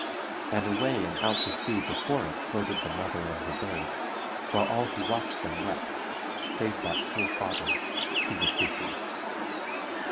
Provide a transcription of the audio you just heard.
And away and out to sea before it floated the mother and her babe, while all who watched them wept, save that cruel father, King Acrisius.